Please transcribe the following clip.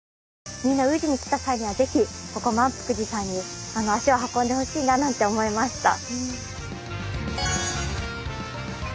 みんな宇治に来た際には是非ここ萬福寺さんに足を運んでほしいななんて思いました。